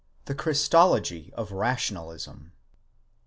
THE CHRISTOLOGY OF RATIONALISM.